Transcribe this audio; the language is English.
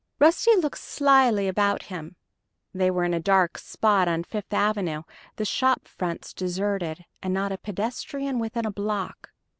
Rusty looked slyly about him. They were in a dark spot on Fifth Avenue, the shop fronts deserted and not a pedestrian within a block.